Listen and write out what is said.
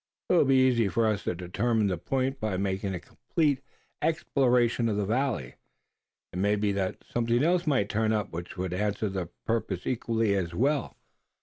It will be easy for us to determine the point, by making a complete exploration of the valley. It may be that something else might turn up which would answer the purpose equally as well.